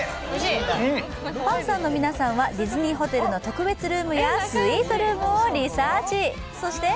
パンサーの皆さんはディスニーホテルの特別ルームやスイートルームをリサーチ。